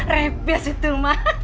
rebias itu mah